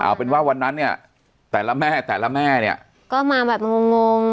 เอาเป็นว่าวันนั้นเนี่ยแต่ละแม่แต่ละแม่เนี่ยก็มาแบบงงงง